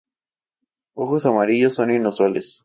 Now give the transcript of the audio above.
Ojos amarillos son inusuales.